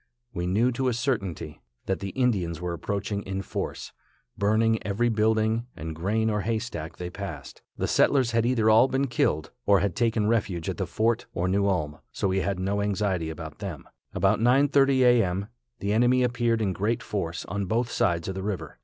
We knew to a certainty that the Indians were approaching in force, burning every building and grain or hay stack they passed. The settlers had either all been killed, or had taken refuge at the fort or New Ulm, so we had no anxiety about them. About 9:30 a. m. the enemy appeared in great force, on both sides of the river.